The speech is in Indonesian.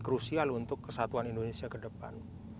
krusial untuk kesatuan indonesia kedepan